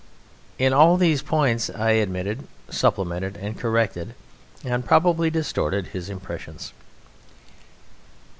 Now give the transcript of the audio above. In all these points I admitted, supplemented, and corrected, and probably distorted his impressions.